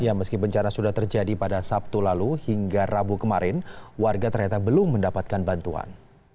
ya meski bencana sudah terjadi pada sabtu lalu hingga rabu kemarin warga ternyata belum mendapatkan bantuan